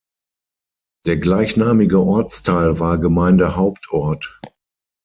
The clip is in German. Der gleichnamige Ortsteil war Gemeindehauptort.